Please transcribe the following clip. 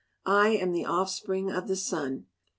I am the offspring of the sun.